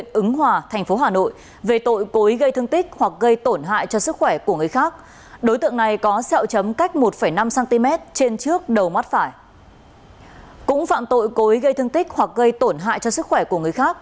cũng phạm tội cối gây thương tích hoặc gây tổn hại cho sức khỏe của người khác